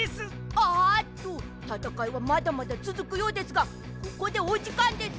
あっとたたかいはまだまだつづくようですがここでおじかんです。